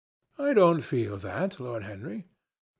"I don't feel that, Lord Henry."